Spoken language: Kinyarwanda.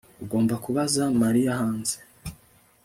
Ugomba kubaza Mariya hanze